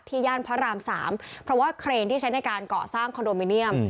ย่านพระราม๓เพราะว่าเครนที่ใช้ในการเกาะสร้างคอนโดมิเนียม